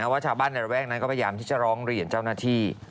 ว่าชาวบ้านในระแวกนั้นก็พยายามที่จะร้องเรียนเจ้าหน้าที่